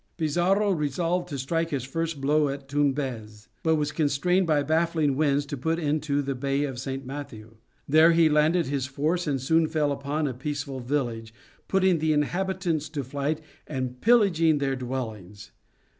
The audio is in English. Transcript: Pizarro resolved to strike his first blow at Tumbez; but was constrained by baffling winds to put into the Bay St. Matthew. There he landed his force, and soon fell upon a peaceful village, putting the inhabitants to flight and pillaging their dwellings.